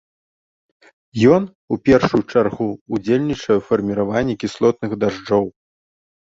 Ён, у першую чаргу, удзельнічае ў фарміраванні кіслотных дажджоў.